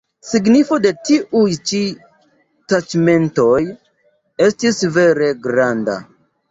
Signifo de tiuj ĉi taĉmentoj estis vere granda.